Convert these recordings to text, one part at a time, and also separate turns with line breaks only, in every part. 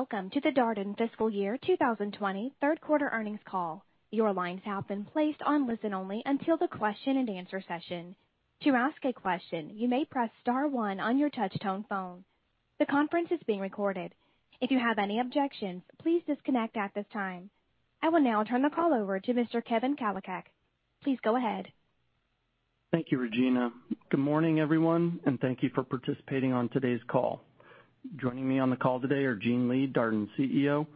Welcome to the Darden fiscal year 2020 third-quarter earnings call. Your lines have been placed on listen-only until the question and answer session. To ask a question, you may press star one on your touch-tone phone. The conference is being recorded. If you have any objections, please disconnect at this time. I will now turn the call over to Mr. Kevin Kalicak. Please go ahead.
Thank you, Regina. Good morning, everyone, and thank you for participating on today's call. Joining me on the call today are Gene Lee, Darden CEO,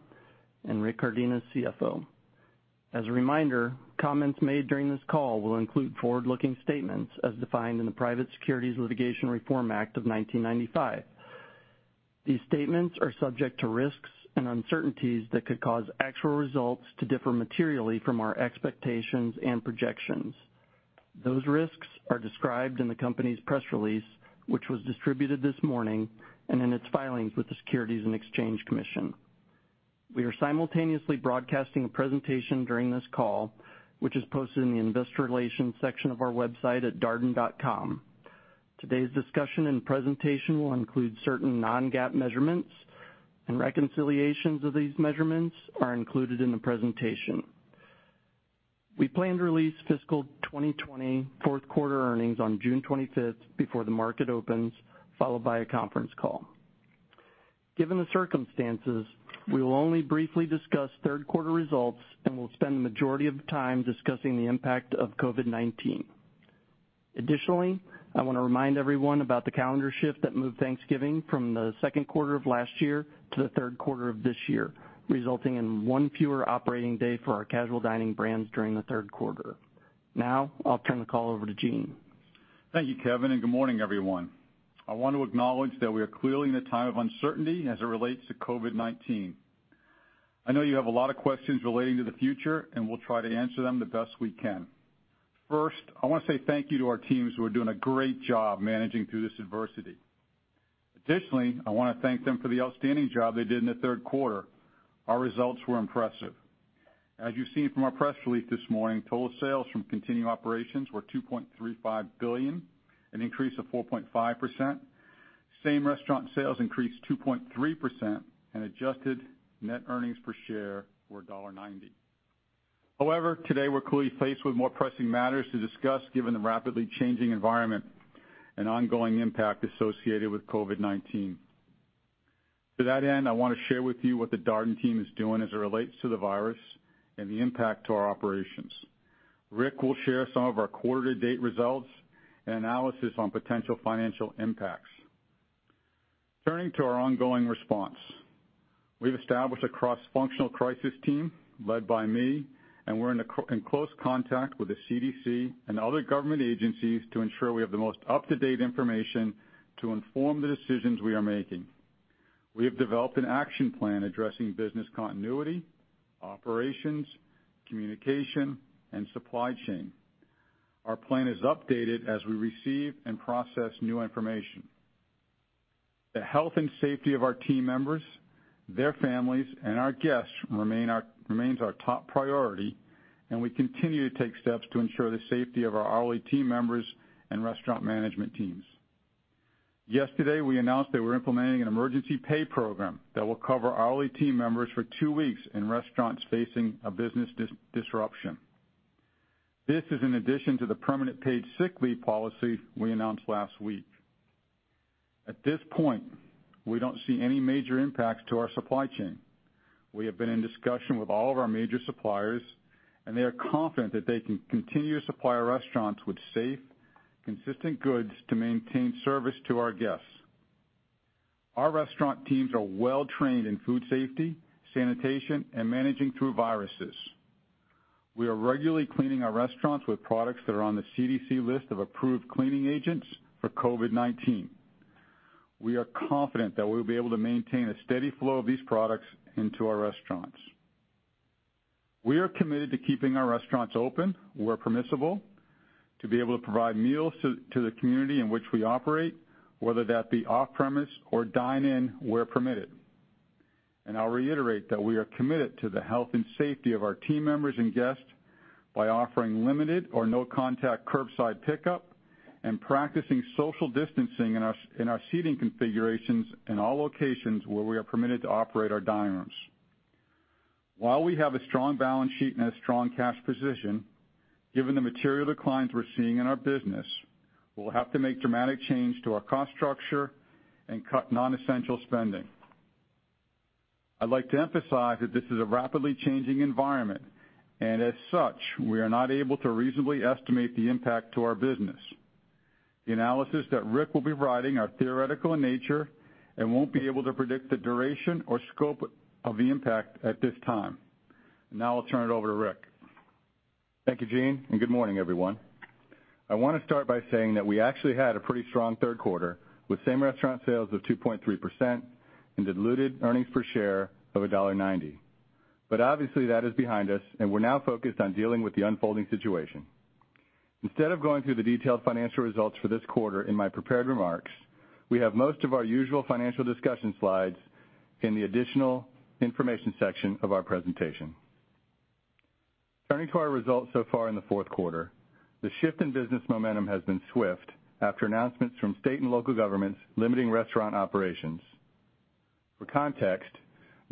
and Rick Cardenas, CFO. As a reminder, comments made during this call will include forward-looking statements as defined in the Private Securities Litigation Reform Act of 1995. These statements are subject to risks and uncertainties that could cause actual results to differ materially from our expectations and projections. Those risks are described in the company's press release, which was distributed this morning, and in its filings with the Securities and Exchange Commission. We are simultaneously broadcasting a presentation during this call, which is posted in the investor relations section of our website at darden.com. Today's discussion and presentation will include certain non-GAAP measurements, and reconciliations of these measurements are included in the presentation. We plan to release fiscal 2020 fourth quarter earnings on June 25th before the market opens, followed by a conference call. Given the circumstances, we will only briefly discuss third quarter results and will spend the majority of the time discussing the impact of COVID-19. Additionally, I want to remind everyone about the calendar shift that moved Thanksgiving from the second quarter of last year to the third quarter of this year, resulting in one fewer operating day for our casual dining brands during the third quarter. I'll turn the call over to Gene.
Thank you, Kevin. Good morning, everyone. I want to acknowledge that we are clearly in a time of uncertainty as it relates to COVID-19. I know you have a lot of questions relating to the future. We'll try to answer them the best we can. First, I want to say thank you to our teams who are doing a great job managing through this adversity. Additionally, I want to thank them for the outstanding job they did in the third quarter. Our results were impressive. As you've seen from our press release this morning, total sales from continuing operations were $2.35 billion, an increase of 4.5%. Same restaurant sales increased 2.3%. Adjusted net earnings per share were $1.90. Today, we're clearly faced with more pressing matters to discuss, given the rapidly changing environment and ongoing impact associated with COVID-19. To that end, I want to share with you what the Darden team is doing as it relates to the virus and the impact to our operations. Rick will share some of our quarter-to-date results and analysis on potential financial impacts. Turning to our ongoing response. We've established a cross-functional crisis team led by me, and we're in close contact with the CDC and other government agencies to ensure we have the most up-to-date information to inform the decisions we are making. We have developed an action plan addressing business continuity, operations, communication, and supply chain. Our plan is updated as we receive and process new information. The health and safety of our team members, their families, and our guests remains our top priority, and we continue to take steps to ensure the safety of our hourly team members and restaurant management teams. Yesterday, we announced that we're implementing an emergency pay program that will cover hourly team members for two weeks in restaurants facing a business disruption. This is in addition to the permanent paid sick leave policy we announced last week. At this point, we don't see any major impacts to our supply chain. We have been in discussion with all of our major suppliers, and they are confident that they can continue to supply our restaurants with safe, consistent goods to maintain service to our guests. Our restaurant teams are well-trained in food safety, sanitation, and managing through viruses. We are regularly cleaning our restaurants with products that are on the CDC list of approved cleaning agents for COVID-19. We are confident that we'll be able to maintain a steady flow of these products into our restaurants. We are committed to keeping our restaurants open where permissible, to be able to provide meals to the community in which we operate, whether that be off-premise or dine-in where permitted. I'll reiterate that we are committed to the health and safety of our team members and guests by offering limited or no contact curbside pickup and practicing social distancing in our seating configurations in all locations where we are permitted to operate our dining rooms. While we have a strong balance sheet and a strong cash position, given the material declines we're seeing in our business, we'll have to make dramatic change to our cost structure and cut non-essential spending. I'd like to emphasize that this is a rapidly changing environment, and as such, we are not able to reasonably estimate the impact to our business. The analysis that Rick will be providing are theoretical in nature and won't be able to predict the duration or scope of the impact at this time. Now, I'll turn it over to Rick.
Thank you, Gene, and good morning, everyone. I want to start by saying that we actually had a pretty strong third quarter with same restaurant sales of 2.3% and diluted earnings per share of $1.90. Obviously, that is behind us, and we're now focused on dealing with the unfolding situation. Instead of going through the detailed financial results for this quarter in my prepared remarks, we have most of our usual financial discussion slides in the additional information section of our presentation. Turning to our results so far in the fourth quarter, the shift in business momentum has been swift after announcements from state and local governments limiting restaurant operations. For context,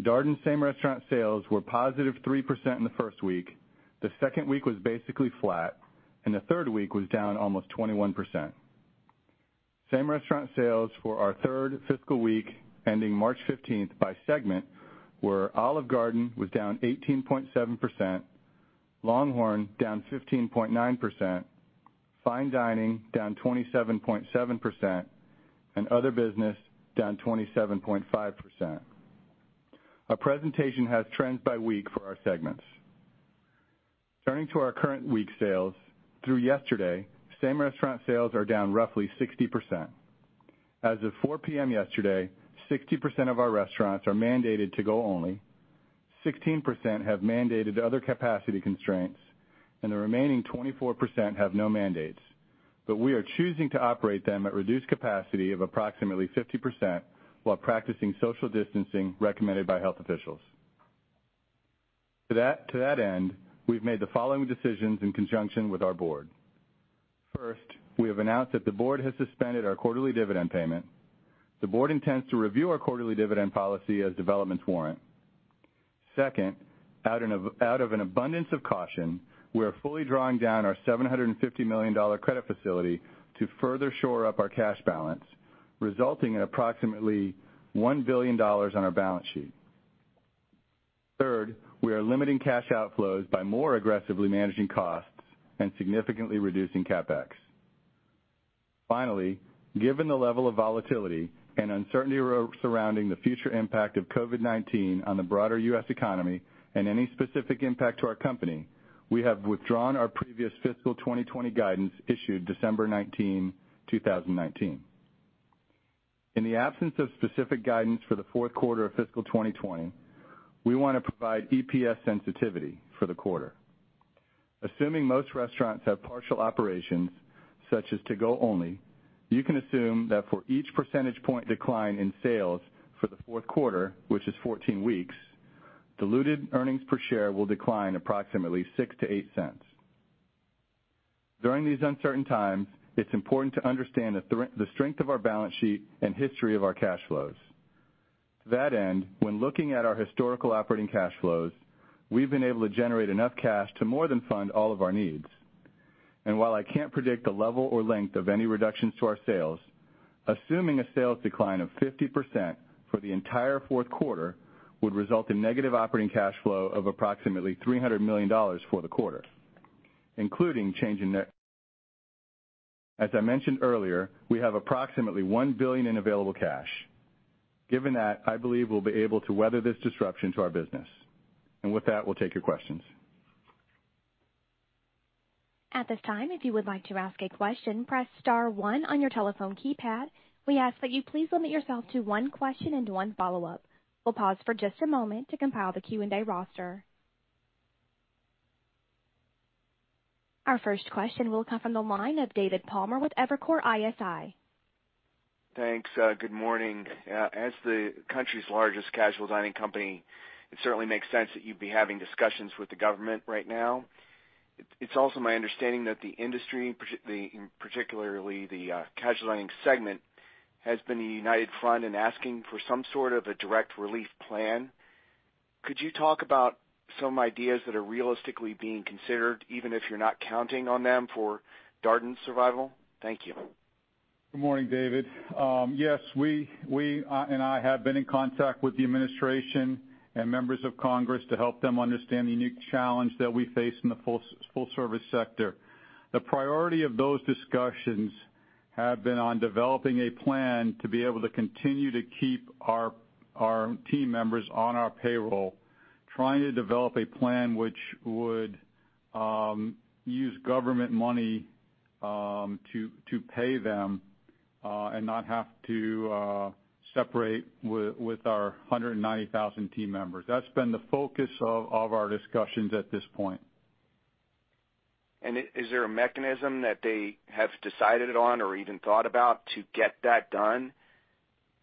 Darden same restaurant sales were +3% in the first week, the second week was basically flat, and the third week was down almost 21%. Same-restaurant sales for our third fiscal week ending March 15th by segment were Olive Garden was down 18.7%, LongHorn down 15.9%, Fine Dining down 27.7%, and Other Business down 27.5%. Our presentation has trends by week for our segments. Turning to our current week sales, through yesterday, same-restaurant sales are down roughly 60%. As of 4:00 P.M. yesterday, 60% of our restaurants are mandated to-go only, 16% have mandated other capacity constraints, and the remaining 24% have no mandates. We are choosing to operate them at reduced capacity of approximately 50% while practicing social distancing recommended by health officials. To that end, we've made the following decisions in conjunction with our board. First, we have announced that the board has suspended our quarterly dividend payment. The board intends to review our quarterly dividend policy as developments warrant. Second, out of an abundance of caution, we are fully drawing down our $750 million credit facility to further shore up our cash balance, resulting in approximately $1 billion on our balance sheet. Third, we are limiting cash outflows by more aggressively managing costs and significantly reducing CapEx. Finally, given the level of volatility and uncertainty surrounding the future impact of COVID-19 on the broader U.S. economy and any specific impact to our company, we have withdrawn our previous fiscal 2020 guidance issued December 19, 2019. In the absence of specific guidance for the fourth quarter of fiscal 2020, we want to provide EPS sensitivity for the quarter. Assuming most restaurants have partial operations, such as to-go only, you can assume that for each percentage point decline in sales for the fourth quarter, which is 14 weeks, diluted earnings per share will decline approximately $0.06-$0.08. During these uncertain times, it's important to understand the strength of our balance sheet and history of our cash flows. To that end, when looking at our historical operating cash flows, we've been able to generate enough cash to more than fund all of our needs. While I can't predict the level or length of any reductions to our sales, assuming a sales decline of 50% for the entire fourth quarter would result in negative operating cash flow of approximately $300 million for the quarter, including change in net. As I mentioned earlier, we have approximately $1 billion in available cash. Given that, I believe we'll be able to weather this disruption to our business. With that, we'll take your questions.
At this time, if you would like to ask a question, press star one on your telephone keypad. We ask that you please limit yourself to one question and one follow-up. We'll pause for just a moment to compile the Q&A roster. Our first question will come from the line of David Palmer with Evercore ISI.
Thanks. Good morning. As the country's largest casual dining company, it certainly makes sense that you'd be having discussions with the government right now. It's also my understanding that the industry, particularly the casual dining segment, has been a united front in asking for some sort of a direct relief plan. Could you talk about some ideas that are realistically being considered, even if you're not counting on them for Darden's survival? Thank you.
Good morning, David. Yes, we and I have been in contact with the administration and members of Congress to help them understand the unique challenge that we face in the full-service sector. The priority of those discussions have been on developing a plan to be able to continue to keep our team members on our payroll, trying to develop a plan which would use government money to pay them and not have to separate with our 190,000 team members. That's been the focus of our discussions at this point.
Is there a mechanism that they have decided on or even thought about to get that done?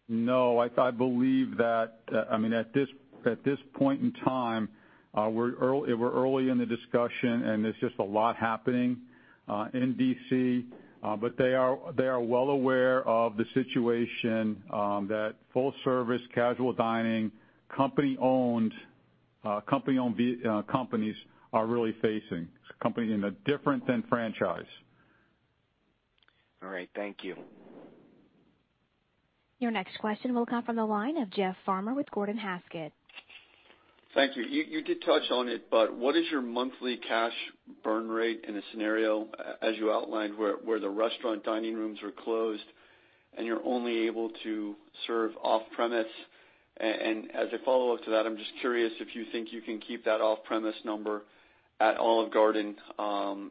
I believe that at this point in time, we're early in the discussion, and there's just a lot happening in D.C. They are well aware of the situation that full-service, casual dining, company-owned companies are really facing. Companies in a different than franchise.
All right. Thank you.
Your next question will come from the line of Jeff Farmer with Gordon Haskett.
Thank you. You did touch on it, but what is your monthly cash burn rate in a scenario, as you outlined, where the restaurant dining rooms are closed and you're only able to serve off-premise? As a follow-up to that, I'm just curious if you think you can keep that off-premise number at Olive Garden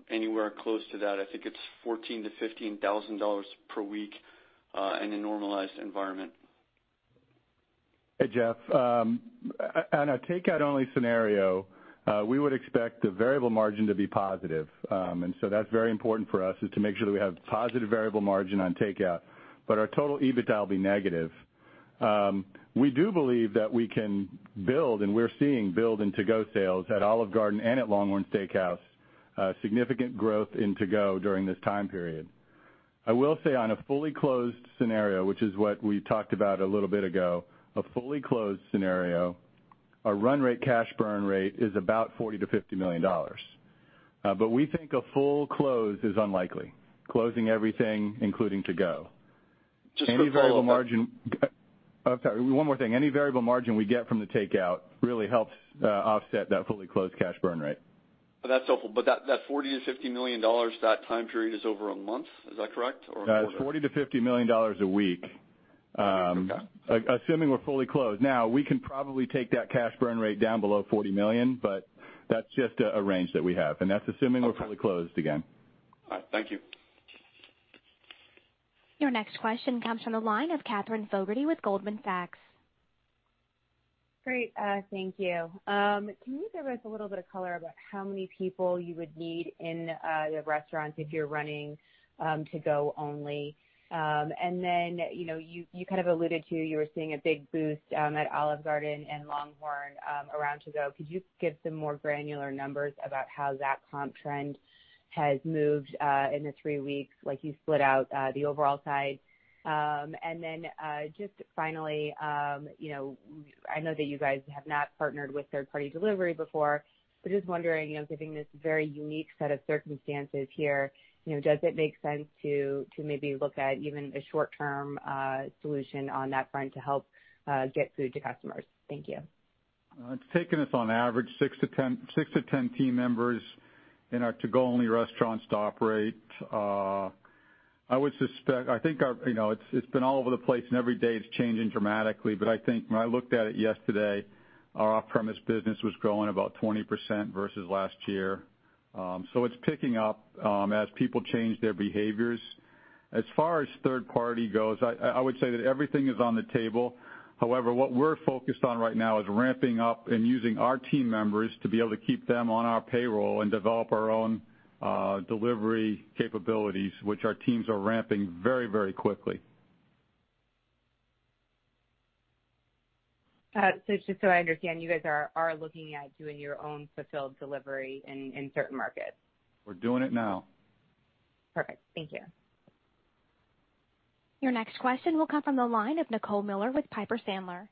anywhere close to that. I think it's $14,000-$15,000 per week in a normalized environment.
Hey, Jeff. On a takeout only scenario, we would expect the variable margin to be positive. That's very important for us, is to make sure that we have positive variable margin on takeout, but our total EBITDA will be negative. We do believe that we can build, and we're seeing build in to-go sales at Olive Garden and at LongHorn Steakhouse, significant growth in to-go during this time period. I will say on a fully closed scenario, which is what we talked about a little bit ago, a fully closed scenario, our run rate cash burn rate is about $40 million-$50 million. We think a full close is unlikely. Closing everything, including to-go.
Just to follow up-
I'm sorry, one more thing. Any variable margin we get from the takeout really helps offset that fully closed cash burn rate.
That's helpful. That $40 million-$50 million, that time period is over a month, is that correct? A quarter.
It's $40 million-$50 million a week.
Okay.
Assuming we're fully closed, now we can probably take that cash burn rate down below $40 million, but that's just a range that we have, and that's assuming we're fully closed again.
All right. Thank you.
Your next question comes from the line of Katherine Fogertey with Goldman Sachs.
Great. Thank you. Can you give us a little bit of color about how many people you would need in the restaurants if you're running to-go only? Then, you kind of alluded to you were seeing a big boost at Olive Garden and LongHorn around to-go. Could you give some more granular numbers about how that comp trend has moved in the three weeks? Like, you split out the overall side. Then, just finally, I know that you guys have not partnered with third-party delivery before, but just wondering, given this very unique set of circumstances here, does it make sense to maybe look at even a short-term solution on that front to help get food to customers? Thank you.
It's taken us, on average, 6 to 10 team members in our to-go only restaurants to operate. It's been all over the place, and every day it's changing dramatically, but I think when I looked at it yesterday, our off-premise business was growing about 20% versus last year. It's picking up as people change their behaviors. As far as third party goes, I would say that everything is on the table. However, what we're focused on right now is ramping up and using our team members to be able to keep them on our payroll and develop our own delivery capabilities, which our teams are ramping very quickly.
Just so I understand, you guys are looking at doing your own fulfilled delivery in certain markets?
We're doing it now.
Perfect. Thank you.
Your next question will come from the line of Nicole Miller with Piper Sandler.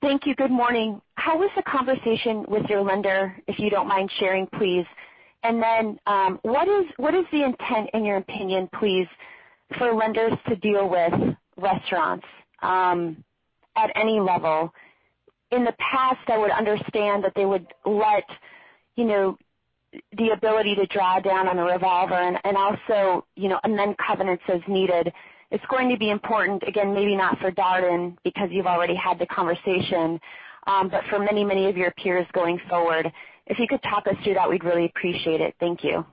Thank you. Good morning. How was the conversation with your lender, if you don't mind sharing, please? What is the intent, in your opinion, please, for lenders to deal with restaurants at any level? In the past, I would understand that they would let the ability to draw down on a revolver and amend covenants as needed. It's going to be important, again, maybe not for Darden because you've already had the conversation, but for many of your peers going forward. If you could talk us through that, we'd really appreciate it. Thank you.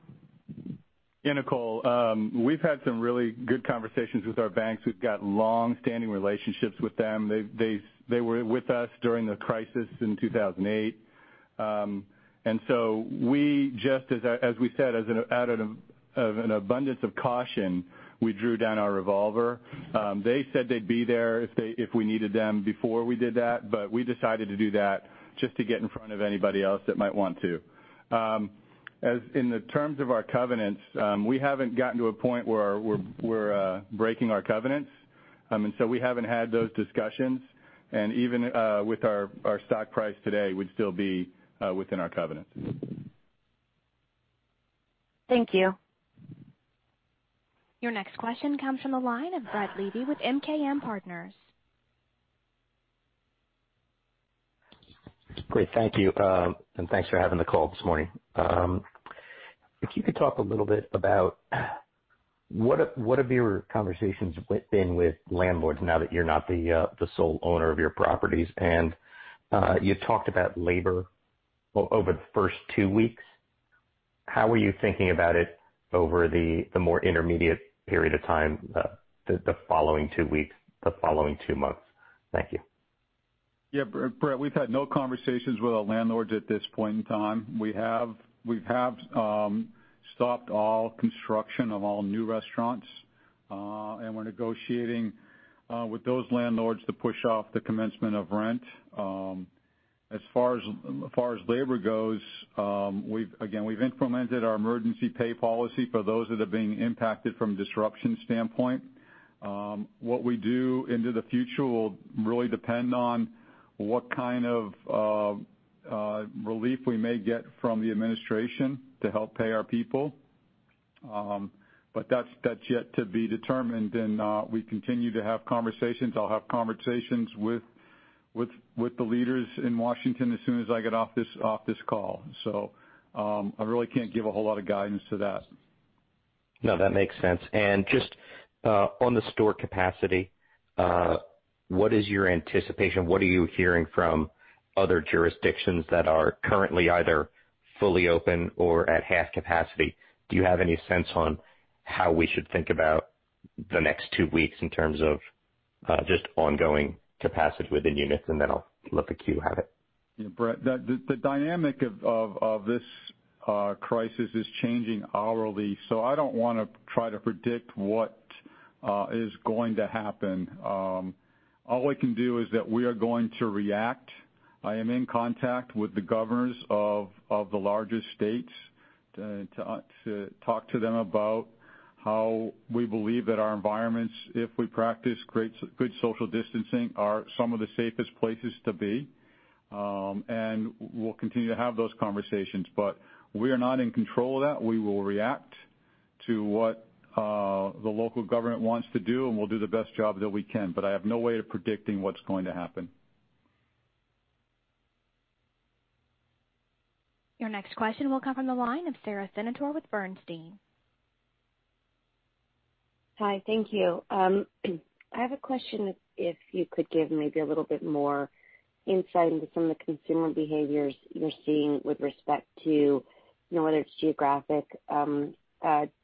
Yeah, Nicole. We've had some really good conversations with our banks. We've got longstanding relationships with them. They were with us during the crisis in 2008. We just, as we said, out of an abundance of caution, we drew down our revolver. They said they'd be there if we needed them before we did that, but we decided to do that just to get in front of anybody else that might want to. In the terms of our covenants, we haven't gotten to a point where we're breaking our covenants. We haven't had those discussions. Even with our stock price today, we'd still be within our covenants.
Thank you.
Your next question comes from the line of Brett Levy with MKM Partners.
Great. Thank you. Thanks for having the call this morning. If you could talk a little bit about what have your conversations been with landlords now that you're not the sole owner of your properties? You talked about labor over the first two weeks. How are you thinking about it over the more intermediate period of time, the following two weeks, the following two months? Thank you.
Yeah. Brett, we've had no conversations with our landlords at this point in time. We have stopped all construction of all new restaurants. We're negotiating with those landlords to push off the commencement of rent. As far as labor goes, again, we've implemented our emergency pay policy for those that are being impacted from a disruption standpoint. What we do into the future will really depend on what kind of relief we may get from the administration to help pay our people. That's yet to be determined, and we continue to have conversations. I'll have conversations with the leaders in Washington as soon as I get off this call. I really can't give a whole lot of guidance to that.
No, that makes sense. Just on the store capacity, what is your anticipation? What are you hearing from other jurisdictions that are currently either fully open or at half capacity? Do you have any sense on how we should think about the next two weeks in terms of just ongoing capacity within units, and then I'll let the Q have it.
Brett, the dynamic of this crisis is changing hourly, so I don't want to try to predict what is going to happen. All we can do is that we are going to react. I am in contact with the governors of the largest states to talk to them about how we believe that our environments, if we practice good social distancing, are some of the safest places to be. We'll continue to have those conversations. We are not in control of that. We will react to what the local government wants to do, and we'll do the best job that we can. I have no way of predicting what's going to happen.
Your next question will come from the line of Sara Senatore with Bernstein.
Hi, thank you. I have a question, if you could give maybe a little bit more insight into some of the consumer behaviors you're seeing with respect to whether it's geographic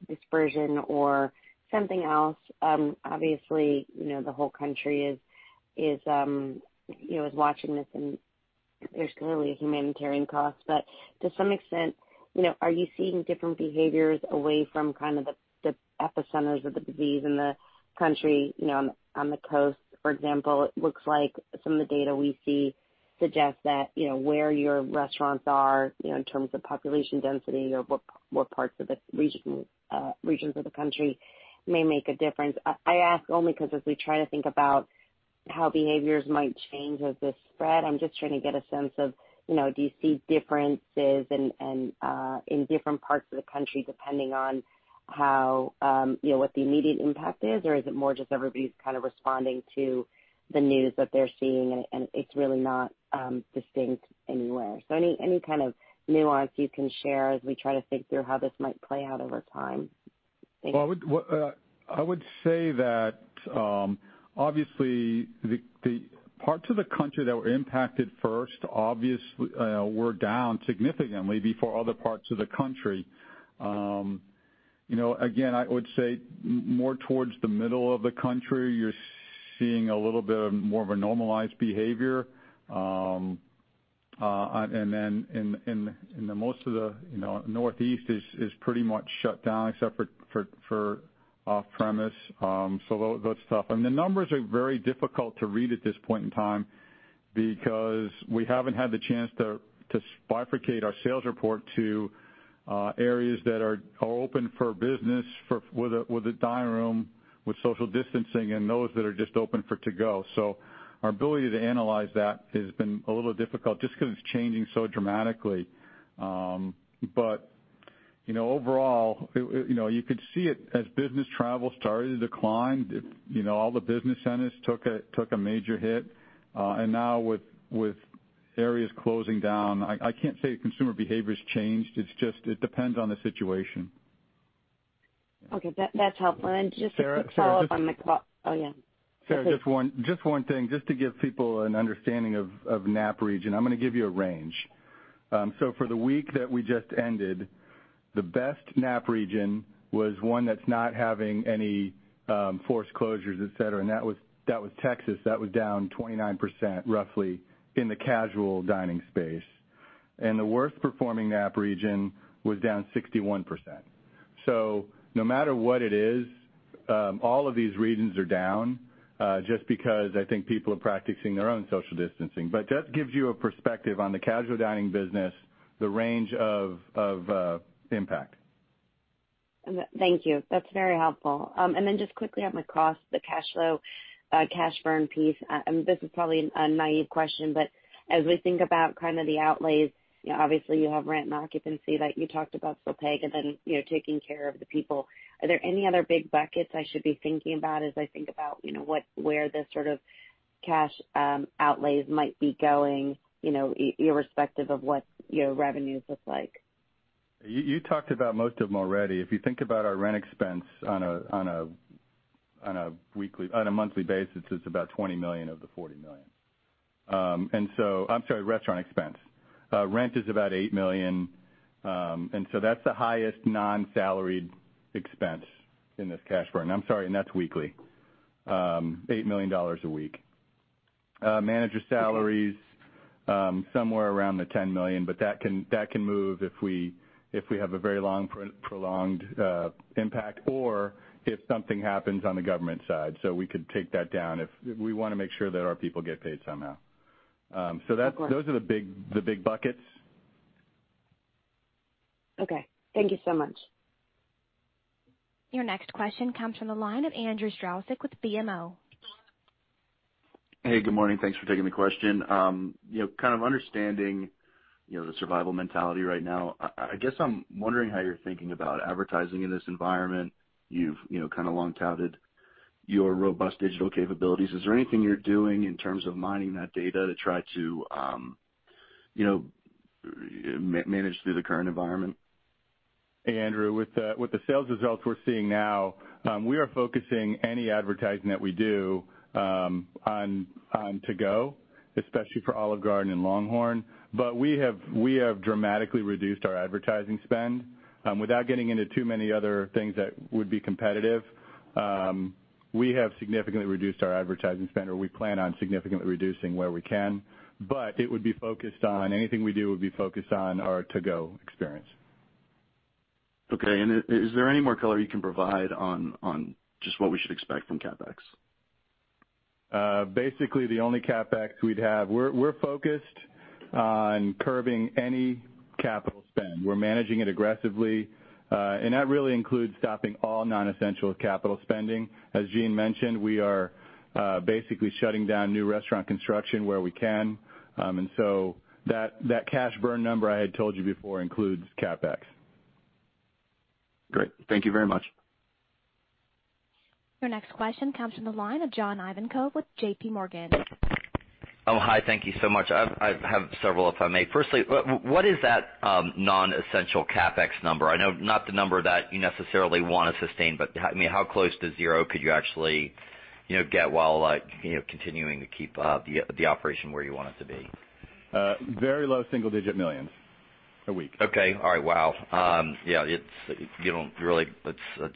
dispersion or something else. Obviously, the whole country is watching this, and there's clearly a humanitarian cost. To some extent, are you seeing different behaviors away from the epicenters of the disease in the country, on the coast, for example? It looks like some of the data we see suggests that where your restaurants are in terms of population density or what parts of the regions of the country may make a difference. I ask only because as we try to think about how behaviors might change as this spread, I'm just trying to get a sense of, do you see differences in different parts of the country, depending on what the immediate impact is, or is it more just everybody's kind of responding to the news that they're seeing, and it's really not distinct anywhere? Any kind of nuance you can share as we try to think through how this might play out over time. Thank you.
I would say that obviously, the parts of the country that were impacted first obviously were down significantly before other parts of the country. I would say more towards the middle of the country, you're seeing a little bit of more of a normalized behavior. Most of the Northeast is pretty much shut down except for off-premise. That's tough. The numbers are very difficult to read at this point in time because we haven't had the chance to bifurcate our sales report to areas that are open for business with a dining room, with social distancing, and those that are just open for to-go. Our ability to analyze that has been a little difficult just because it's changing so dramatically. Overall, you could see it as business travel started to decline. All the business centers took a major hit. Now with areas closing down, I can't say consumer behavior's changed. It depends on the situation.
Okay. That's helpful. Just to follow up. Oh, yeah.
Sara, just one thing. Just to give people an understanding of Knapp region, I'm going to give you a range. For the week that we just ended, the best Knapp region was one that's not having any forced closures, et cetera, and that was Texas. That was down 29% roughly in the casual dining space. The worst performing Knapp region was down 61%. No matter what it is, all of these regions are down, just because I think people are practicing their own social distancing. That gives you a perspective on the casual dining business, the range of impact.
Thank you. That's very helpful. Then just quickly on the cost, the cash flow, cash burn piece, and this is probably a naive question, but as we think about the outlays, obviously you have rent and occupancy that you talked about, so PEG, and then taking care of the people, are there any other big buckets I should be thinking about as I think about where the sort of cash outlays might be going, irrespective of what your revenues look like?
You talked about most of them already. If you think about our rent expense on a monthly basis, it's about $20 million of the $40 million. I'm sorry, restaurant expense. Rent is about $8 million, and so that's the highest non-salaried expense in this cash burn. I'm sorry, and that's weekly. $8 million a week. Manager salaries, somewhere around the $10 million, but that can move if we have a very prolonged impact or if something happens on the government side. We could take that down if we want to make sure that our people get paid somehow.
Of course.
Those are the big buckets.
Okay. Thank you so much.
Your next question comes from the line of Andrew Strelzik with BMO.
Hey, good morning. Thanks for taking the question. Kind of understanding the survival mentality right now, I guess I'm wondering how you're thinking about advertising in this environment. You've kind of long touted your robust digital capabilities. Is there anything you're doing in terms of mining that data to try to manage through the current environment?
Andrew, with the sales results we're seeing now, we are focusing any advertising that we do on to-go, especially for Olive Garden and LongHorn, but we have dramatically reduced our advertising spend. Without getting into too many other things that would be competitive, we have significantly reduced our advertising spend, or we plan on significantly reducing where we can. Anything we do would be focused on our to-go experience.
Okay. Is there any more color you can provide on just what we should expect from CapEx?
Basically, the only CapEx we'd have, we're focused on curbing any capital spend. We're managing it aggressively. That really includes stopping all non-essential capital spending. As Gene mentioned, we are basically shutting down new restaurant construction where we can. That cash burn number I had told you before includes CapEx.
Great. Thank you very much.
Your next question comes from the line of John Ivankoe with JPMorgan.
Oh, hi. Thank you so much. I have several, if I may. Firstly, what is that non-essential CapEx number? I know not the number that you necessarily want to sustain, but how close to zero could you actually get while continuing to keep the operation where you want it to be?
Very low single-digit millions a week.
Okay. All right. Wow. Yeah. It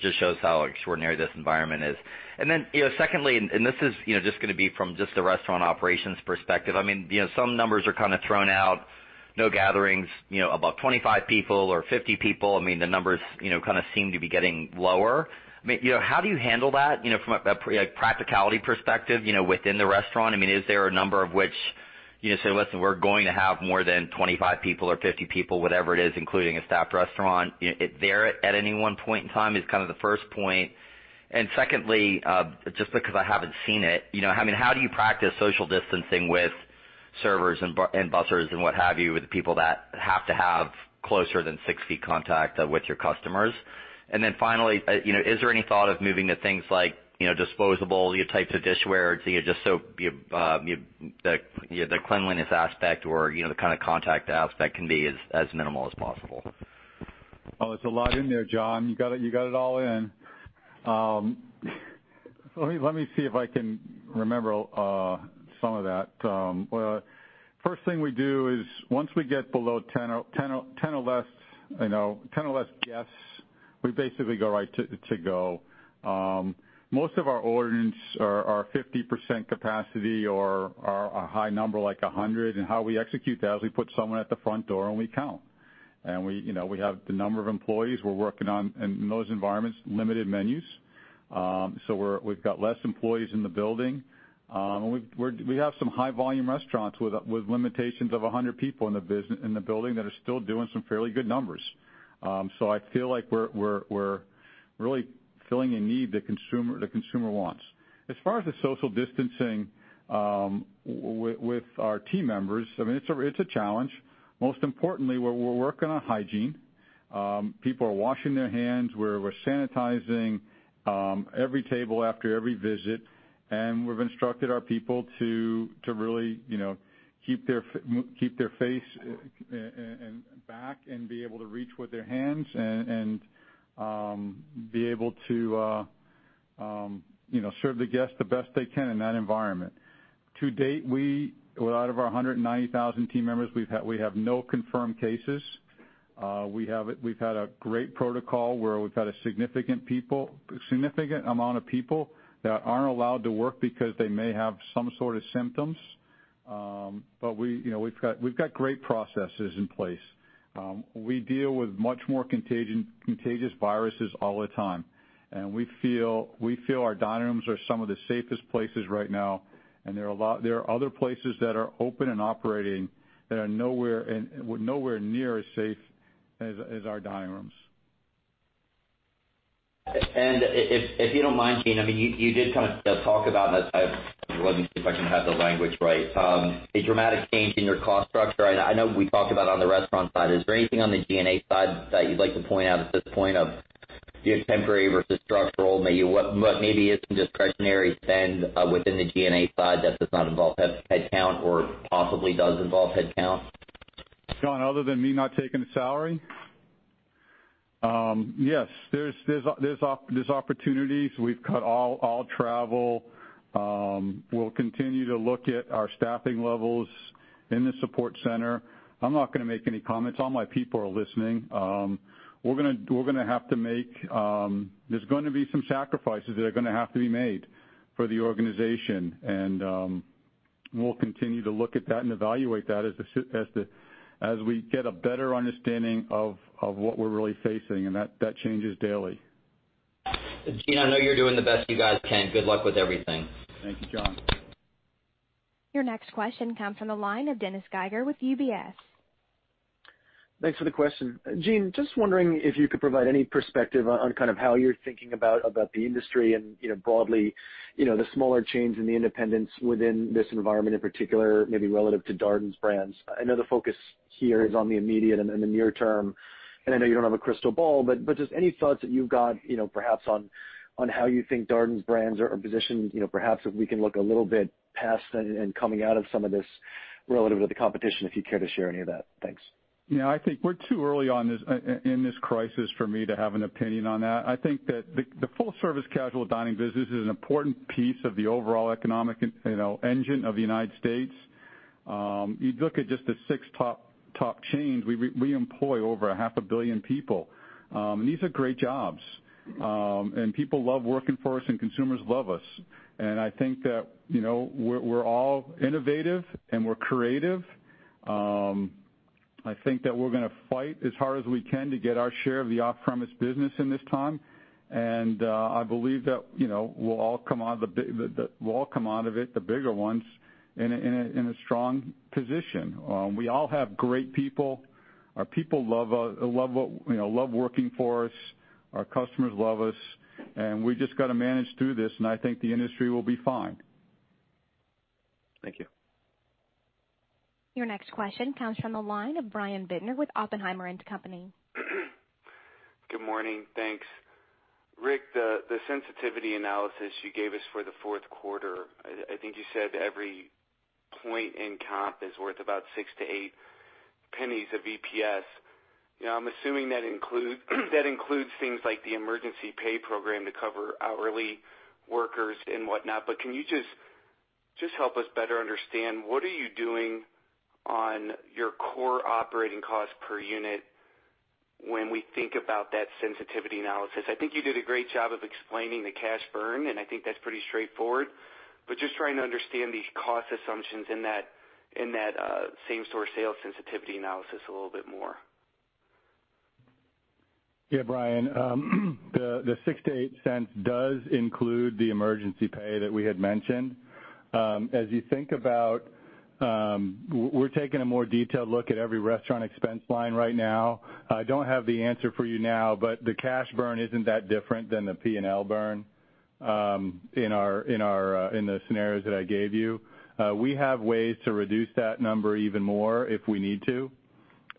just shows how extraordinary this environment is. Secondly, this is just going to be from just the restaurant operations perspective. Some numbers are kind of thrown out; no gatherings above 25 people or 50 people. The numbers kind of seem to be getting lower. How do you handle that from a practicality perspective within the restaurant? Is there a number of which you say, "Listen, we're going to have more than 25 people or 50 people," whatever it is, including a staffed restaurant there at any one point in time, is kind of the first point. Secondly, just because I haven't seen it, how do you practice social distancing with servers and bussers and what have you, with the people that have to have closer than six feet contact with your customers? Finally, is there any thought of moving to things like disposable types of dishware, just so the cleanliness aspect or the kind of contact aspect can be as minimal as possible?
Oh, it's a lot in there, John. You got it all in. Let me see if I can remember some of that. First thing we do is once we get below 10 or less guests, we basically go right to to-go. Most of our ordinances are 50% capacity or are a high number like 100. How we execute that is we put someone at the front door, and we count. We have the number of employees we're working on in those environments, limited menus. We've got less employees in the building. We have some high-volume restaurants with limitations of 100 people in the building that are still doing some fairly good numbers. I feel like we're really filling a need the consumer wants. As far as the social distancing with our team members, it's a challenge. Most importantly, we're working on hygiene. People are washing their hands. We're sanitizing every table after every visit. We've instructed our people to really keep their face and back and be able to reach with their hands and be able to serve the guests the best they can in that environment. To date, out of our 190,000 team members, we have no confirmed cases. We've had a great protocol where we've had a significant amount of people that aren't allowed to work because they may have some sort of symptoms. We've got great processes in place. We deal with much more contagious viruses all the time, and we feel our dining rooms are some of the safest places right now, and there are other places that are open and operating that are nowhere near as safe as our dining rooms.
If you don't mind, Gene, you did kind of talk about this; I wasn't sure if I had the language right. A dramatic change in your cost structure. I know we talked about on the restaurant side. Is there anything on the G&A side that you'd like to point out at this point of temporary versus structural, maybe some discretionary spend within the G&A side that does not involve headcount or possibly does involve headcount?
John, other than me not taking a salary? Yes. There's opportunities. We've cut all travel. We'll continue to look at our staffing levels in the support center. I'm not going to make any comments. All my people are listening. There's going to be some sacrifices that are going to have to be made for the organization, and we'll continue to look at that and evaluate that as we get a better understanding of what we're really facing, and that changes daily.
Gene, I know you're doing the best you guys can. Good luck with everything.
Thank you, John.
Your next question comes from the line of Dennis Geiger with UBS.
Thanks for the question. Gene, just wondering if you could provide any perspective on kind of how you're thinking about the industry and broadly, the smaller chains and the independents within this environment, in particular, maybe relative to Darden's brands. I know the focus here is on the immediate and the near term, and I know you don't have a crystal ball, but just any thoughts that you've got, perhaps on how you think Darden's brands are positioned. Perhaps if we can look a little bit past and coming out of some of this relative to the competition, if you'd care to share any of that. Thanks.
Yeah, I think we're too early in this crisis for me to have an opinion on that. I think that the full-service casual dining business is an important piece of the overall economic engine of the United States. You'd look at just the six top chains, we employ over a half a billion people. These are great jobs, and people love working for us, and consumers love us. I think that we're all innovative and we're creative. I think that we're going to fight as hard as we can to get our share of the off-premise business in this time. I believe that we'll all come out of it, the bigger ones, in a strong position. We all have great people. Our people love working for us. Our customers love us, and we just got to manage through this, and I think the industry will be fine.
Thank you.
Your next question comes from the line of Brian Bittner with Oppenheimer & Co..
Good morning. Thanks. Rick, the sensitivity analysis you gave us for the fourth quarter, I think you said every point in comp is worth about $0.06-$0.08 of EPS. I'm assuming that includes things like the emergency pay program to cover hourly workers and whatnot. Can you just help us better understand what are you doing on your core operating cost per unit when we think about that sensitivity analysis? I think you did a great job of explaining the cash burn, and I think that's pretty straightforward, but just trying to understand the cost assumptions in that same-store sales sensitivity analysis a little bit more.
Yeah, Brian. The $0.06 to $0.08 does include the emergency pay that we had mentioned. As you think about, we're taking a more detailed look at every restaurant expense line right now. I don't have the answer for you now, but the cash burn isn't that different than the P&L burn in the scenarios that I gave you. We have ways to reduce that number even more if we need to.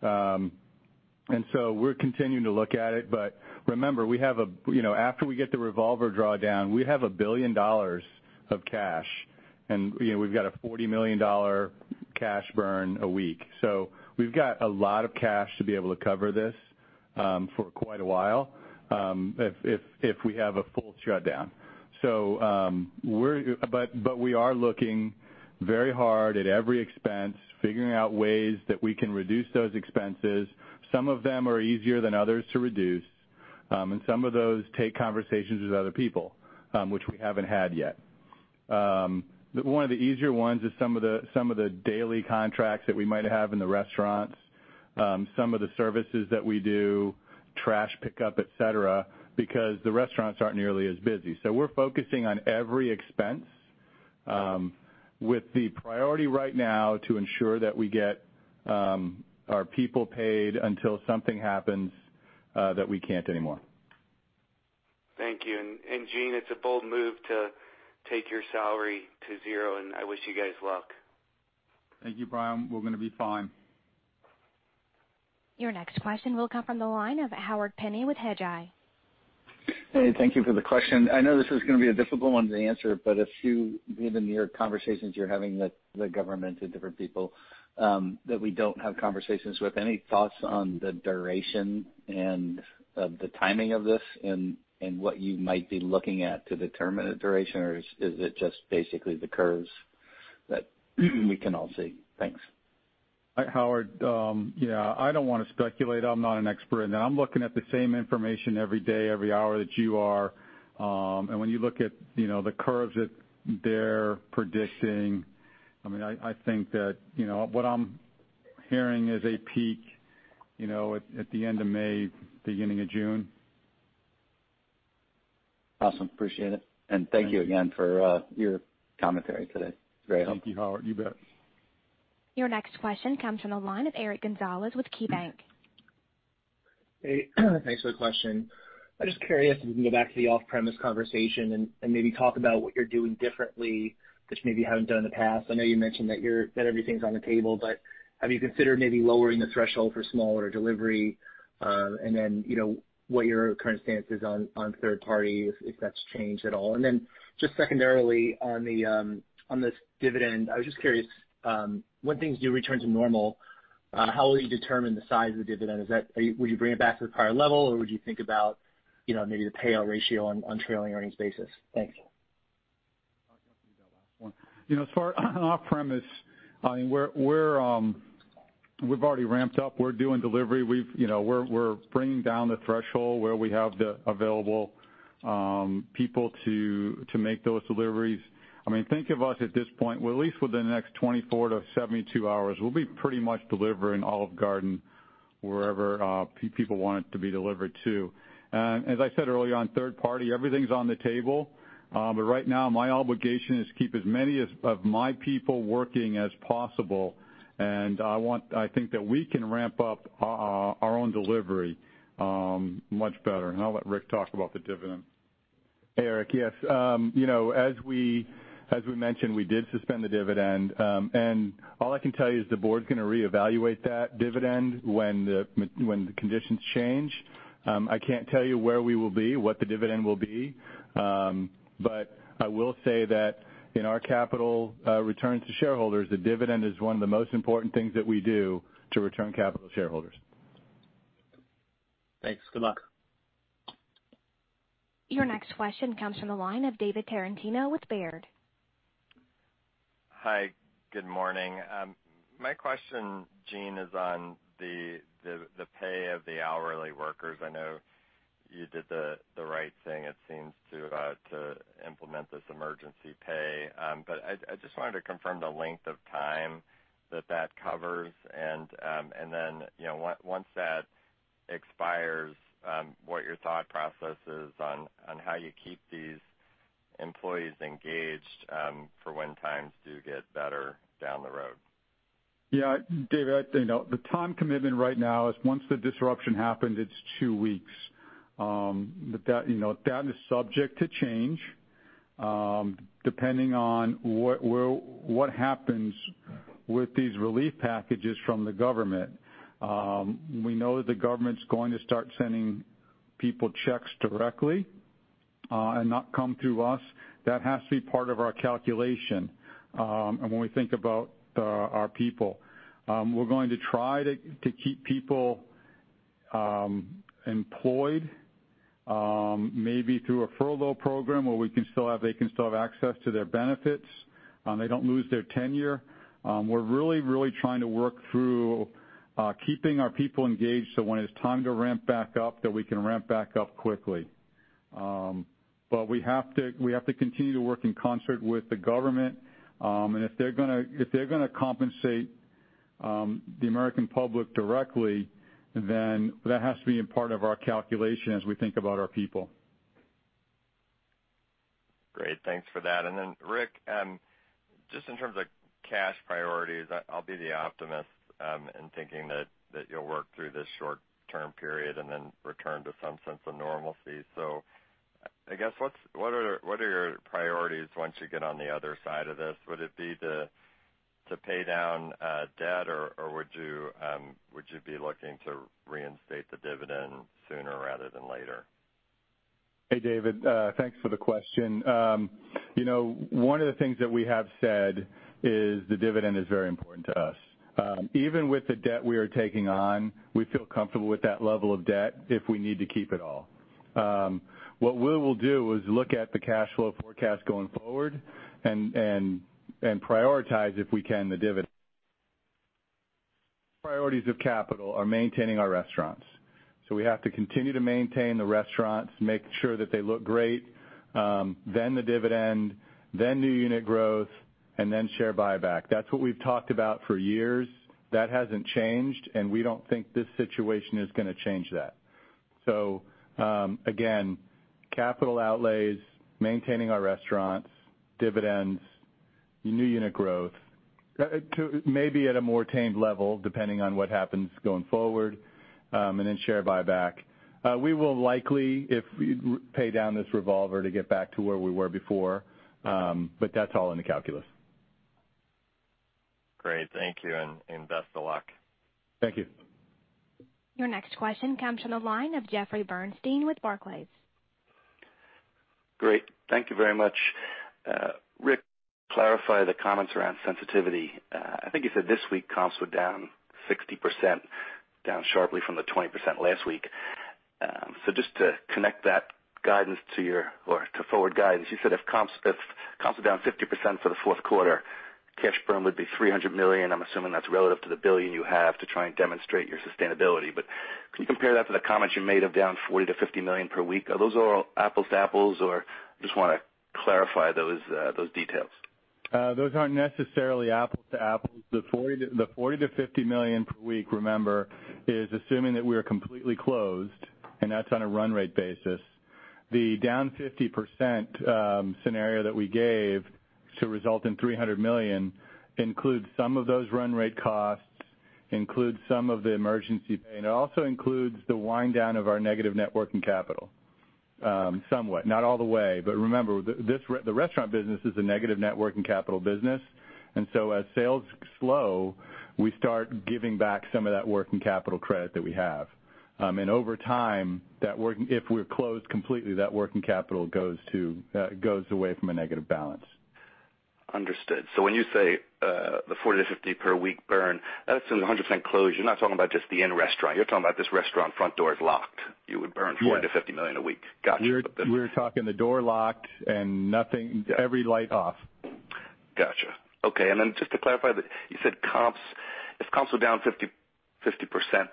We're continuing to look at it. Remember, after we get the revolver draw down, we have $1 billion of cash, and we've got a $40 million cash burn a week. We've got a lot of cash to be able to cover this for quite a while, if we have a full shutdown. We are looking very hard at every expense, figuring out ways that we can reduce those expenses. Some of them are easier than others to reduce. Some of those take conversations with other people, which we haven't had yet. One of the easier ones is some of the daily contracts that we might have in the restaurants. Some of the services that we do, trash pickup, et cetera, because the restaurants aren't nearly as busy. We're focusing on every expense, with the priority right now to ensure that we get our people paid until something happens that we can't anymore.
Thank you. Gene, it's a bold move to take your salary to zero, and I wish you guys luck.
Thank you, Brian. We're going to be fine.
Your next question will come from the line of Howard Penney with Hedgeye.
Hey, thank you for the question. I know this is going to be a difficult one to answer, but if you, given your conversations you're having with the government and different people that we don't have conversations with, any thoughts on the duration and the timing of this and what you might be looking at to determine the duration, or is it just basically the curves that we can all see? Thanks.
Hi, Howard. Yeah, I don't want to speculate. I'm not an expert. I'm looking at the same information every day, every hour that you are. When you look at the curves that they're predicting, what I'm hearing is a peak at the end of May, beginning of June.
Awesome. Appreciate it. Thank you again for your commentary today. It's very helpful.
Thank you, Howard. You bet.
Your next question comes from the line of Eric Gonzalez with KeyBanc.
Hey, thanks for the question. I'm just curious if we can go back to the off-premise conversation and maybe talk about what you're doing differently, which maybe you haven't done in the past. I know you mentioned that everything's on the table, but have you considered maybe lowering the threshold for smaller delivery? What your current stance is on third party, if that's changed at all? Just secondarily on this dividend, I was just curious, when things do return to normal, how will you determine the size of the dividend? Would you bring it back to the prior level, or would you think about maybe the payout ratio on trailing earnings basis? Thanks.
I'll take that last one. As far as off-premise, we've already ramped up. We're doing delivery. We're bringing down the threshold where we have the available people to make those deliveries. Think of us at this point, at least within the next 24 to 72 hours, we'll be pretty much delivering Olive Garden wherever people want it to be delivered to. As I said earlier, on third party, everything's on the table. Right now, my obligation is to keep as many of my people working as possible. I think that we can ramp up our own delivery much better. I'll let Rick talk about the dividend.
Eric, yes. As we mentioned, we did suspend the dividend. All I can tell you is the board's going to reevaluate that dividend when the conditions change. I can't tell you where we will be, what the dividend will be. I will say that in our capital returns to shareholders, the dividend is one of the most important things that we do to return capital to shareholders.
Thanks. Good luck.
Your next question comes from the line of David Tarantino with Baird.
Hi, good morning. My question, Gene, is on the pay of the hourly workers. I know you did the right thing, it seems, to implement this emergency pay. I just wanted to confirm the length of time that covers and then, once that expires, what your thought process is on how you keep these employees engaged for when times do get better down the road.
David, the time commitment right now is once the disruption happens, it's two weeks. That is subject to change, depending on what happens with these relief packages from the government. We know that the government's going to start sending people checks directly and not come through us. That has to be part of our calculation when we think about our people. We're going to try to keep people employed, maybe through a furlough program where they can still have access to their benefits. They don't lose their tenure. We're really trying to work through keeping our people engaged, so when it's time to ramp back up, that we can ramp back up quickly. We have to continue to work in concert with the government, and if they're going to compensate the American public directly, then that has to be a part of our calculation as we think about our people.
Great. Thanks for that. Rick, just in terms of cash priorities, I'll be the optimist in thinking that you'll work through this short-term period and then return to some sense of normalcy. I guess what are your priorities once you get on the other side of this? Would it be to pay down debt, or would you be looking to reinstate the dividend sooner rather than later?
Hey, David. Thanks for the question. One of the things that we have said is the dividend is very important to us. Even with the debt we are taking on, we feel comfortable with that level of debt if we need to keep it all. What we will do is look at the cash flow forecast going forward and prioritize, if we can, the dividend. Priorities of capital are maintaining our restaurants. We have to continue to maintain the restaurants, make sure that they look great, then the dividend, then new unit growth, and then share buyback. That's what we've talked about for years. That hasn't changed. We don't think this situation is going to change that. Again, capital outlays, maintaining our restaurants, dividends, new unit growth, maybe at a more tamed level, depending on what happens going forward, and then share buyback. We will likely, if we pay down this revolver to get back to where we were before, but that's all in the calculus.
Great. Thank you, and best of luck.
Thank you.
Your next question comes from the line of Jeffrey Bernstein with Barclays.
Great. Thank you very much. Rick, clarify the comments around sensitivity. I think you said this week comps were down 60%, down sharply from the 20% last week. Just to connect that to forward guidance, you said if comps are down 50% for the fourth quarter, cash burn would be $300 million. I'm assuming that's relative to the billion you have to try and demonstrate your sustainability. Can you compare that to the comments you made of down $40 million-$50 million per week? Are those all apples to apples, or just want to clarify those details?
Those aren't necessarily apples to apples. The $40 million-$50 million per week, remember, is assuming that we are completely closed, and that's on a run rate basis. The down 50% scenario that we gave to result in $300 million includes some of those run rate costs, includes some of the emergency pay, and it also includes the wind down of our negative net working capital. Somewhat, not all the way, but remember, the restaurant business is a negative net working capital business. As sales slow, we start giving back some of that working capital credit that we have. Over time, if we're closed completely, that working capital goes away from a negative balance.
Understood. When you say the $40-$50 per week burn, that's in 100% closure. You're not talking about just the in-restaurant. You're talking about this restaurant front door is locked. You would burn $40 million-$50 million a week. Got you.
We're talking the door locked and every light off.
Got you. Okay, just to clarify, you said comps. If comps were down 50%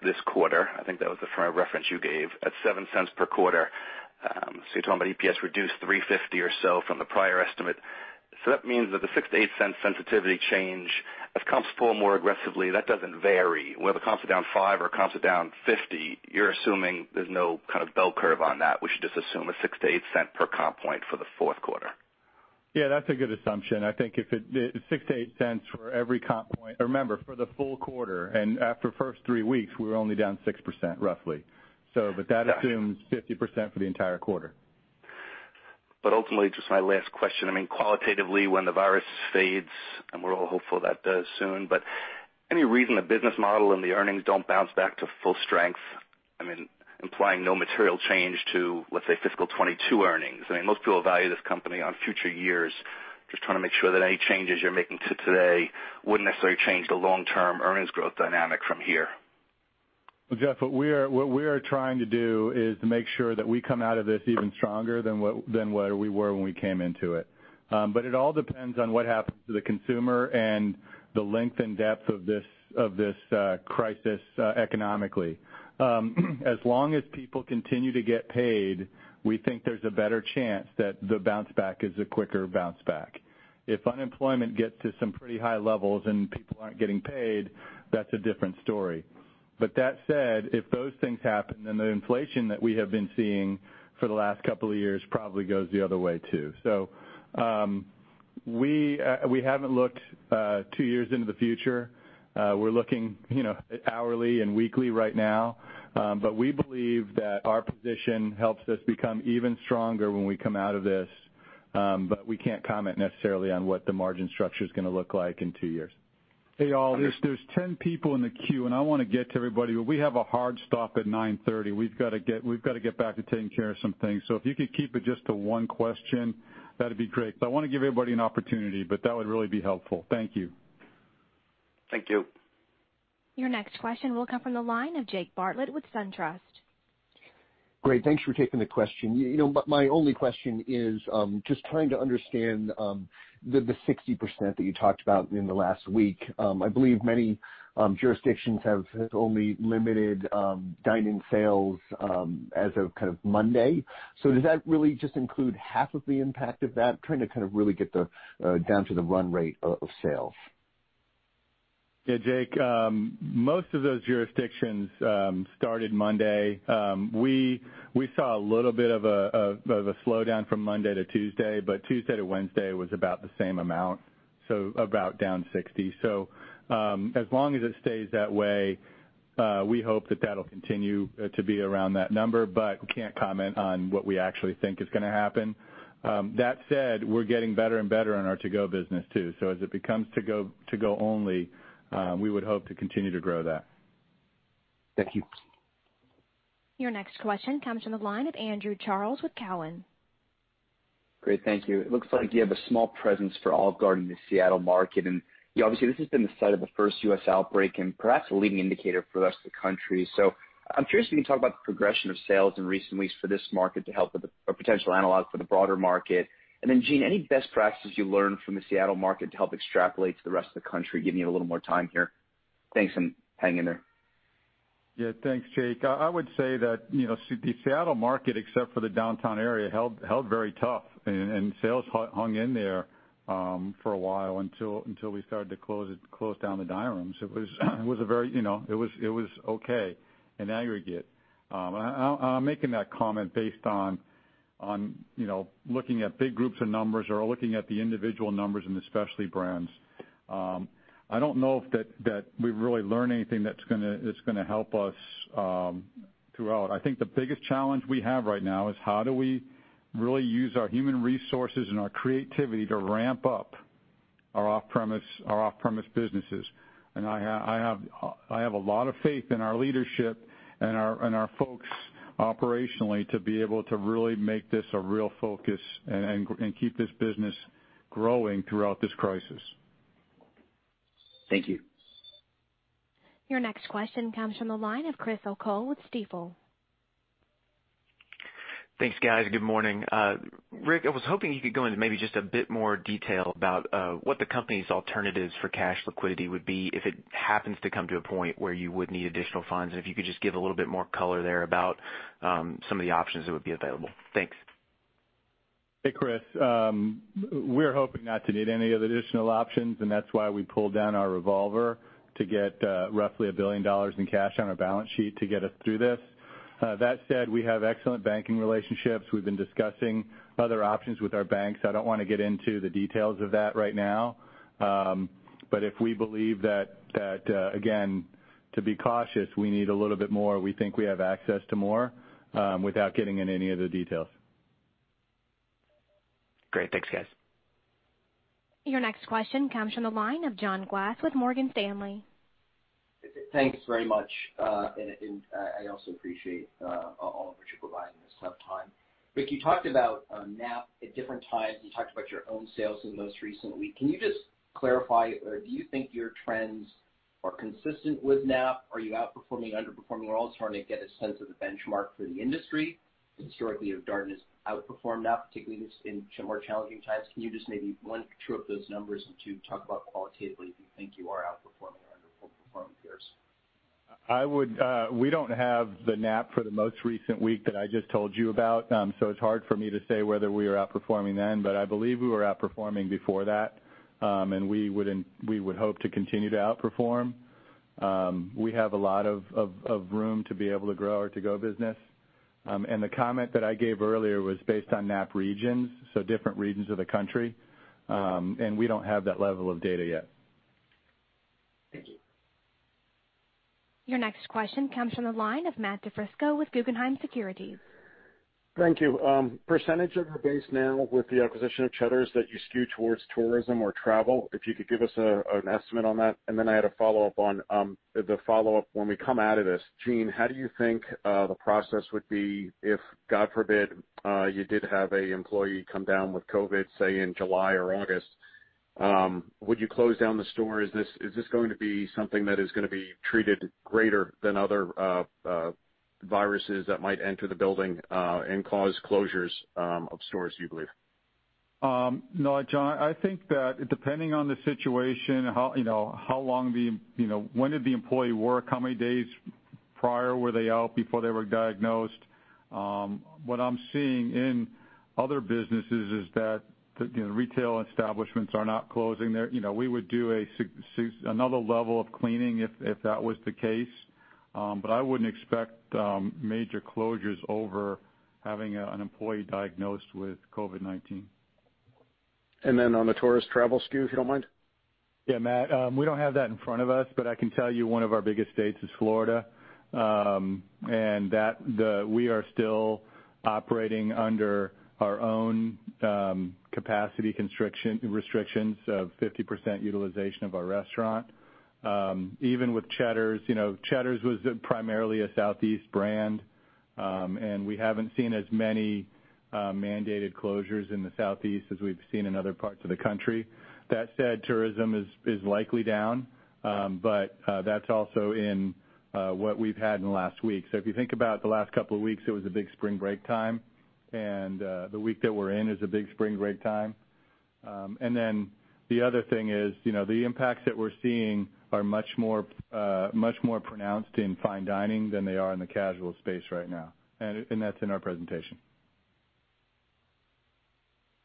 this quarter, I think that was the frame of reference you gave, at $0.07 per quarter. You're talking about EPS reduced $3.50 or so from the prior estimate. That means that the $0.06-$0.08 sensitivity change, if comps fall more aggressively, that doesn't vary. Whether comps are down 5% or comps are down 50%, you're assuming there's no kind of bell curve on that. We should just assume a $0.06-$0.08 per comp point for the fourth quarter.
Yeah, that's a good assumption. I think $0.06-$0.08 for every comp point. Remember, for the full quarter, and after the first three weeks, we were only down 6%, roughly. That assumes 50% for the entire quarter.
Ultimately, just my last question. Qualitatively, when the virus fades, and we're all hopeful that does soon, but any reason the business model and the earnings don't bounce back to full strength? I mean, implying no material change to, let's say, fiscal 2022 earnings. Most people value this company on future years. Just trying to make sure that any changes you're making to today wouldn't necessarily change the long-term earnings growth dynamic from here.
Well, Jeff, what we are trying to do is to make sure that we come out of this even stronger than what we were when we came into it. It all depends on what happens to the consumer and the length and depth of this crisis economically. As long as people continue to get paid, we think there's a better chance that the bounce back is a quicker bounce back. If unemployment gets to some pretty high levels and people aren't getting paid, that's a different story. That said, if those things happen, the inflation that we have been seeing for the last couple of years probably goes the other way, too. We haven't looked two years into the future. We're looking hourly and weekly right now. We believe that our position helps us become even stronger when we come out of this, but we can't comment necessarily on what the margin structure is going to look like in two years.
Hey, all. There's 10 people in the queue, and I want to get to everybody, but we have a hard stop at 9:30. We've got to get back to taking care of some things, so if you could keep it just to one question, that'd be great. I want to give everybody an opportunity, but that would really be helpful. Thank you.
Thank you.
Your next question will come from the line of Jake Bartlett with SunTrust.
Great. Thanks for taking the question. My only question is, just trying to understand the 60% that you talked about in the last week. I believe many jurisdictions have only limited dine-in sales as of Monday. Does that really just include half of the impact of that, trying to really get down to the run rate of sales?
Yeah, Jake. Most of those jurisdictions started Monday. We saw a little bit of a slowdown from Monday to Tuesday, but Tuesday to Wednesday was about the same amount, so about down 60. As long as it stays that way, we hope that will continue to be around that number, but we can't comment on what we actually think is going to happen. That said, we're getting better and better on our to-go business, too. As it becomes to-go only, we would hope to continue to grow that.
Thank you.
Your next question comes from the line of Andrew Charles with Cowen.
Great. Thank you. It looks like you have a small presence for all of Darden in the Seattle market. Obviously, this has been the site of the first U.S. outbreak and perhaps a leading indicator for the rest of the country. I'm curious if you can talk about the progression of sales in recent weeks for this market to help with a potential analog for the broader market. Then Gene, any best practices you learned from the Seattle market to help extrapolate to the rest of the country, giving you a little more time here? Thanks, and hang in there.
Yeah. Thanks, Jake. I would say that the Seattle market, except for the downtown area, held very tough, and sales hung in there for a while, until we started to close down the dine rooms. It was okay in aggregate. I'm making that comment based on looking at big groups of numbers or looking at the individual numbers in the specialty brands. I don't know if that we've really learned anything that's going to help us throughout. I think the biggest challenge we have right now is how do we really use our human resources and our creativity to ramp up our off-premise businesses. I have a lot of faith in our leadership and our folks operationally to be able to really make this a real focus and keep this business growing throughout this crisis.
Thank you.
Your next question comes from the line of Chris O'Cull with Stifel.
Thanks, guys. Good morning. Rick, I was hoping you could go into maybe just a bit more detail about what the company's alternatives for cash liquidity would be if it happens to come to a point where you would need additional funds, and if you could just give a little bit more color there about some of the options that would be available. Thanks.
Hey, Chris. We're hoping not to need any of the additional options, and that's why we pulled down our revolver to get roughly $1 billion in cash on our balance sheet to get us through this. That said, we have excellent banking relationships. We've been discussing other options with our banks. I don't want to get into the details of that right now. If we believe that, again, to be cautious, we need a little bit more; we think we have access to more without getting in any of the details.
Great. Thanks, guys.
Your next question comes from the line of John Glass with Morgan Stanley.
Thanks very much. I also appreciate all of what you're providing this tough time. Rick, you talked about Knapp at different times. You talked about your own sales in the most recent week. Can you just clarify, or do you think your trends are consistent with Knapp? Are you outperforming, underperforming? We're all trying to get a sense of the benchmark for the industry. Historically, Darden has outperformed Knapp, particularly in some more challenging times. Can you just maybe one, true up those numbers and two, talk about qualitatively if you think you are outperforming or underperforming peers?
We don't have the Knapp for the most recent week that I just told you about. It's hard for me to say whether we are outperforming then, but I believe we were outperforming before that, and we would hope to continue to outperform. We have a lot of room to be able to grow our to-go business. The comment that I gave earlier was based on Knapp regions, so different regions of the country, and we don't have that level of data yet.
Thank you.
Your next question comes from the line of Matt DiFrisco with Guggenheim Securities.
Thank you. Percentage of your base now with the acquisition of Cheddar's that you skew towards tourism or travel, if you could give us an estimate on that. I had a follow-up when we come out of this. Gene, how do you think the process would be if, God forbid, you did have an employee come down with COVID, say, in July or August? Would you close down the store? Is this going to be something that is going to be treated greater than other viruses that might enter the building and cause closures of stores, do you believe?
No, John, I think that depending on the situation, when did the employee work, how many days prior were they out before they were diagnosed? What I'm seeing in other businesses is that retail establishments are not closing. We would do another level of cleaning if that was the case. I wouldn't expect major closures over having an employee diagnosed with COVID-19.
On the tourist travel SKU, if you don't mind.
Yeah, Matt, we don't have that in front of us, but I can tell you one of our biggest states is Florida. That we are still operating under our own capacity restrictions of 50% utilization of our restaurant. Even with Cheddar's. Cheddar's was primarily a Southeast brand, and we haven't seen as many mandated closures in the Southeast as we've seen in other parts of the country. That said, tourism is likely down, but that's also in what we've had in the last week. If you think about the last couple of weeks, it was a big spring break time, and the week that we're in is a big spring break time. The other thing is the impacts that we're seeing are much more pronounced in Fine Dining than they are in the casual space right now, and that's in our presentation.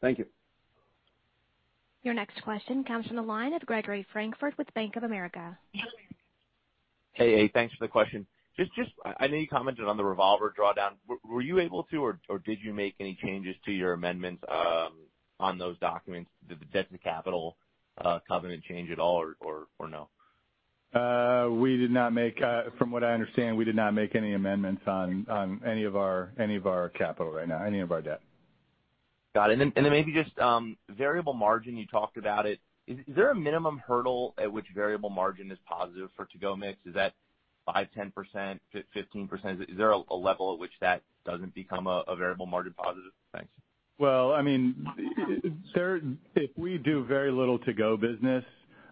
Thank you.
Your next question comes from the line of Gregory Francfort with Bank of America.
Hey. Thanks for the question. I know you commented on the revolver drawdown. Were you able to, or did you make any changes to your amendments on those documents? Did the debt to capital covenant change at all or no?
From what I understand, we did not make any amendments on any of our capital right now, any of our debt.
Got it. Maybe just variable margin, you talked about it. Is there a minimum hurdle at which variable margin is positive for to-go mix? Is that five, 10%, 15%? Is there a level at which that doesn't become a variable margin positive? Thanks.
Well, if we do very little to-go business,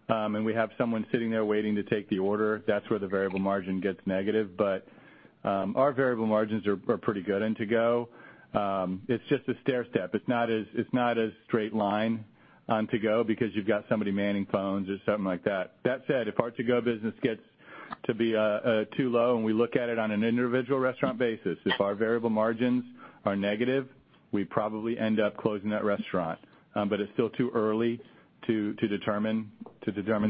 and we have someone sitting there waiting to take the order, that's where the variable margin gets negative. Our variable margins are pretty good in to-go. It's just a stair step. It's not a straight line on to-go because you've got somebody manning phones or something like that. That said, if our to-go business gets to be too low, and we look at it on an individual restaurant basis, if our variable margins are negative, we probably end up closing that restaurant. It's still too early to determine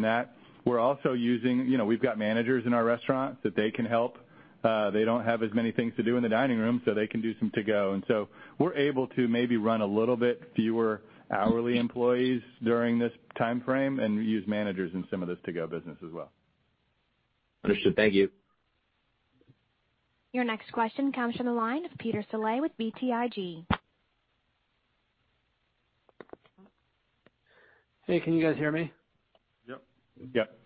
that. We've got managers in our restaurants that they can help. They don't have as many things to do in the dining room, so they can do some to-go. We're able to maybe run a little bit fewer hourly employees during this timeframe and use managers in some of this to-go business as well.
Understood. Thank you.
Your next question comes from the line of Peter Saleh with BTIG.
Hey, can you guys hear me?
Yep.
Yep.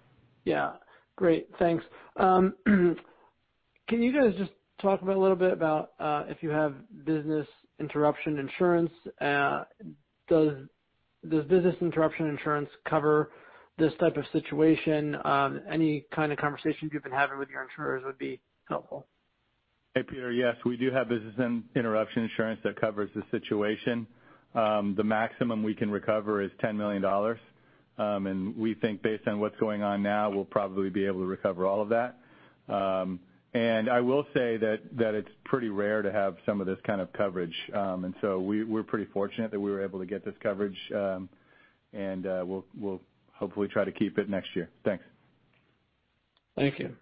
Yeah. Great. Thanks. Can you guys just talk a little bit about if you have business interruption insurance? Does business interruption insurance cover this type of situation? Any kind of conversations you've been having with your insurers would be helpful.
Hey, Peter. Yes, we do have business interruption insurance that covers the situation. The maximum we can recover is $10 million. We think based on what's going on now, we'll probably be able to recover all of that. I will say that it's pretty rare to have some of this kind of coverage. So we're pretty fortunate that we were able to get this coverage, and we'll hopefully try to keep it next year. Thanks.
Thank you.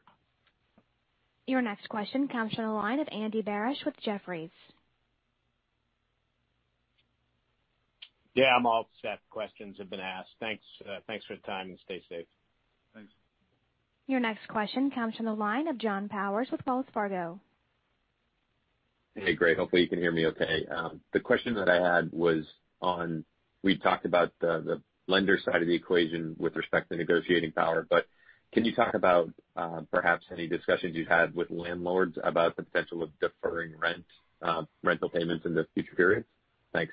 Your next question comes from the line of Andy Barish with Jefferies.
Yeah, I'm all set. Questions have been asked. Thanks for your time, and stay safe.
Thanks.
Your next question comes from the line of Jon Tower with Wells Fargo.
Hey, Gray. Hopefully, you can hear me okay. The question that I had was on, we talked about the lender side of the equation with respect to negotiating power. Can you talk about perhaps any discussions you've had with landlords about the potential of deferring rental payments in this future period? Thanks.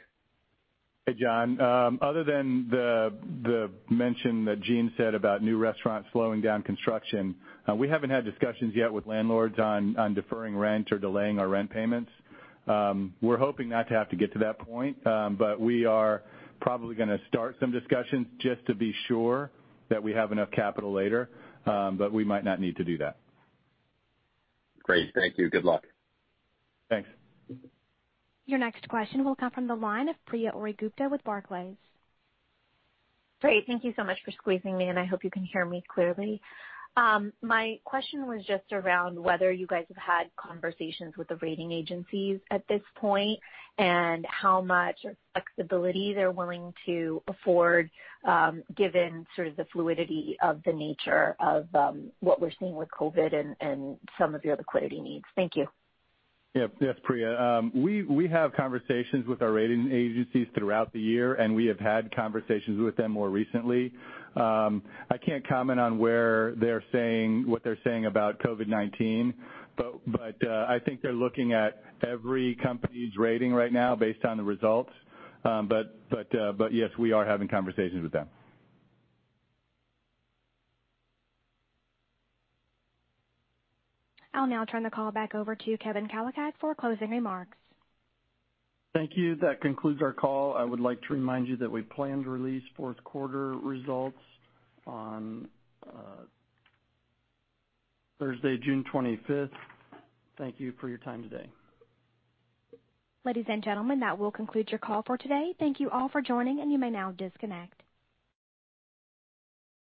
Hey, Jon. Other than the mention that Gene said about new restaurants slowing down construction, we haven't had discussions yet with landlords on deferring rent or delaying our rent payments. We're hoping not to have to get to that point, but we are probably going to start some discussions just to be sure that we have enough capital later. We might not need to do that.
Great. Thank you. Good luck.
Thanks.
Your next question will come from the line of Priya Ohri-Gupta with Barclays.
Great. Thank you so much for squeezing me in. I hope you can hear me clearly. My question was just around whether you guys have had conversations with the rating agencies at this point and how much flexibility they're willing to afford, given sort of the fluidity of the nature of what we're seeing with COVID and some of your liquidity needs. Thank you.
Yep. Priya, we have conversations with our rating agencies throughout the year, and we have had conversations with them more recently. I can't comment on what they're saying about COVID-19, but I think they're looking at every company's rating right now based on the results. But yes, we are having conversations with them.
I'll now turn the call back over to Kevin Kalicak for closing remarks.
Thank you. That concludes our call. I would like to remind you that we plan to release fourth quarter results on Thursday, June 25th. Thank you for your time today.
Ladies and gentlemen, that will conclude your call for today. Thank you all for joining. You may now disconnect.